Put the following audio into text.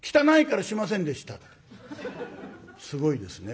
すごいですね。